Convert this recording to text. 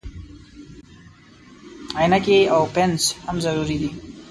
عینکې او پنس هم ضروري دي.